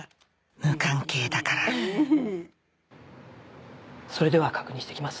無関係だからそれでは確認してきます